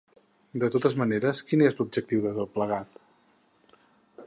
De totes maneres, quin és l’objectiu de tot plegat?